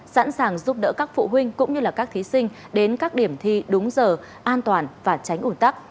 sẵn sàng giúp đỡ các phụ huynh cũng như các thí sinh đến các điểm thi đúng giờ an toàn và tránh ủn tắc